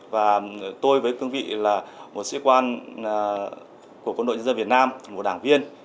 và tôi với cương vị là một sĩ quan của quân đội dân dân việt nam một đảng viên